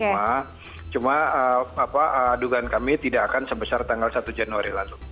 cuma dugaan kami tidak akan sebesar tanggal satu januari lalu